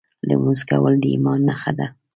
لمونځ کول د ایمان نښه ده .